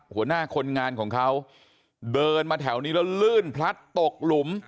หัวหน้าคนงานของเขาเดินมาแถวนี้แล้วลื่นพลัดตกหลุม